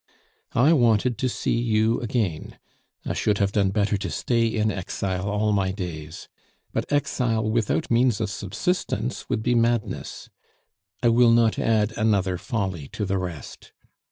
"I wanted to see you again. I should have done better to stay in exile all my days. But exile without means of subsistence would be madness; I will not add another folly to the rest.